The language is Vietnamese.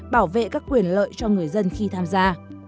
bảo vệ các quyền lợi cho người dân khi tham gia